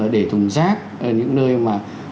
để thùng rác những nơi mà